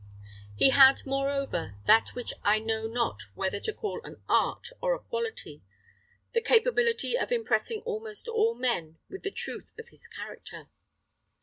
He had, moreover, that which I know not whether to call an art or a quality the capability of impressing almost all men with the truth of his character.